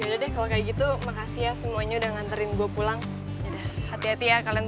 udah deh kalau kayak gitu makasih ya semuanya udah nganterin gue pulang udah hati hati ya kalian